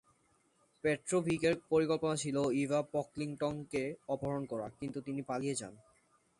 পেট্রোভিকের পরিকল্পনা ছিল ইভা পকলিংটনকে অপহরণ করা, কিন্তু তিনি পালিয়ে যান।